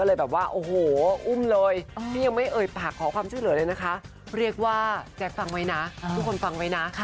หรือว่านะคะทุกคนฟังไว้นะ